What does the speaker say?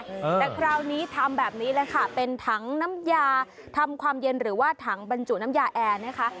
แต่คราวนี้ทำแบบนี้แหละค่ะเป็นถังน้ำยาทำความเย็นหรือว่าถังบรรจุน้ำยาแอร์นะคะ